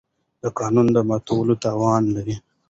د قانون ماتول تاوان لري.